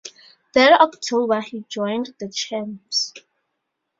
That October, he joined the Champs.